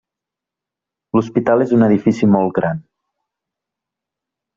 L'Hospital és un edifici molt gran.